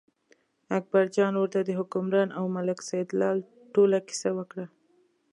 اکبرجان ورته د حکمران او ملک سیدلال ټوله کیسه وکړه.